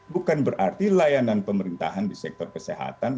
bukan berarti layanan pemerintahan di sektor kesehatan